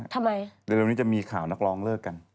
เตรียมนี้จะมีข่าวนักรองเลิกกัน